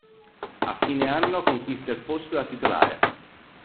A fine anno conquista il posto da titolare.